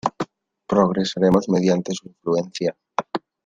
Progresaremos mediante su influencia.